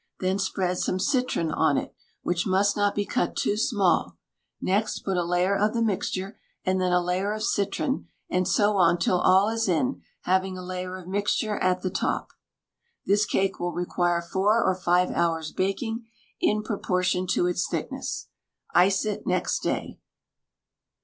Then spread some citron on it, which must not be cut too small; next put a layer of the mixture, and then a layer of citron, and so on till all is in, having a layer of mixture at the top. This cake will require four or five hours baking, in proportion to its thickness. Ice it next day.